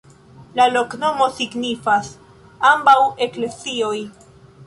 La loknomo signifas: ambaŭ eklezioj.